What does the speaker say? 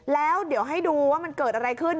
แล้วเดี๋ยวให้ดูว่ามันเกิดอะไรขึ้น